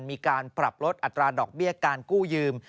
มีการปรับลดอัตราดอกเบี้ยการกู้ยืม